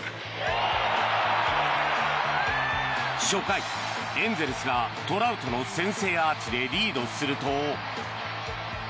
初回、エンゼルスがトラウトの先制アーチでリードすると。